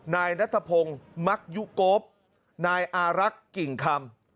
นายนัทพงศ์มักยุโกปนายอารักษ์กิ่งคำ